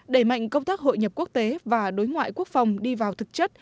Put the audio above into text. đẩy mạnh công tác hội nhập quốc tế và đối ngoại quốc phòng đi vào thực chất